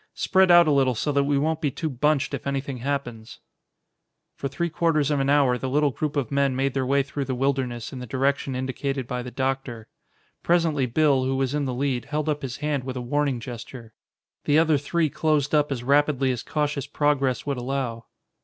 Spread out a little so that we won't be too bunched if anything happens." For three quarters of an hour the little group of men made their way through the wilderness in the direction indicated by the doctor. Presently Bill, who was in the lead, held up his hand with a warning gesture. The other three closed up as rapidly as cautious progress would allow.